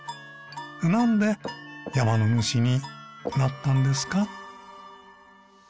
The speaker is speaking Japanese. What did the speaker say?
なんで山の主になったんですか？